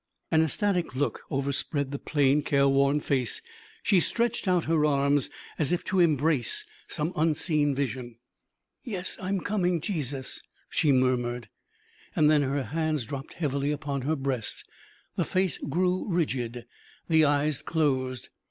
An ecstatic look overspread the plain, careworn face, she stretched out her arms as if to embrace some unseen vision. "Yes, I am coming ... Jesus," she murmured. Then her hands dropped heavily upon her breast; the face grew rigid, the eyes closed.